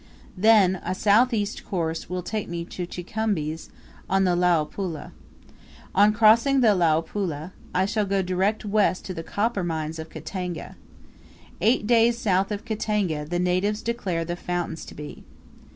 Then, a south east course will take me to Chicumbi's, on the Luapula. On crossing the Luapula, I shall go direct west to the copper mines of Katanga. Eight days south of Katanga, the natives declare the fountains to be.